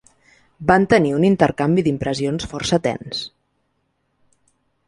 Van tenir un intercanvi d’impressions força tens.